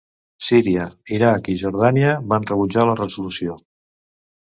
Síria, Iraq i Jordània van rebutjar la resolució.